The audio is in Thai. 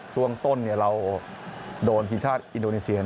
ช่วงต้นเราโดนทีมชาติอินโดนีเซีย